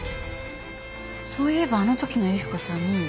そういえばあの時の雪子さん